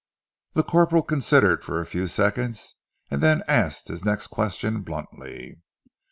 The corporal considered for a few seconds, and then asked his next question bluntly.